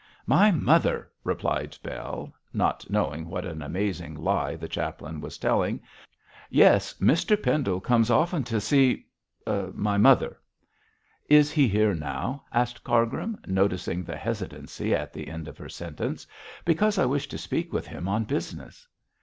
'My mother!' replied Bell, not knowing what an amazing lie the chaplain was telling. 'Yes! Mr Pendle comes often to see my mother.' 'Is he here now?' asked Cargrim, noticing the hesitancy at the end of her sentence; 'because I wish to speak with him on business.'